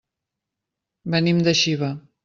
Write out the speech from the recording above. Venim de Xiva.